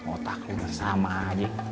otak udah sama aja